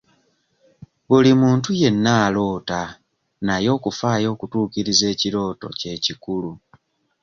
Buli muntu yenna aloota naye okufaayo okutuukiriza ekirooto kye kikulu.